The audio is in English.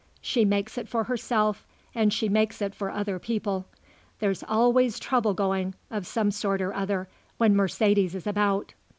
She makes it for herself and she makes it for other people. There's always trouble going, of some sort or other, when Mercedes is about."